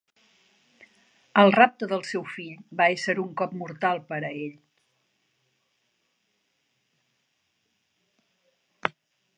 El rapte del seu fill va ésser un cop mortal per a ell.